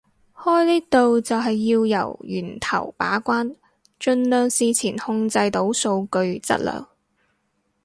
開呢度就係要由源頭把關盡量事前控制到數據質量